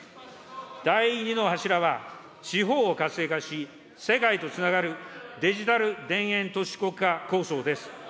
第２の柱は、地方を活性化し、世界とつながる、デジタル田園都市国家構想です。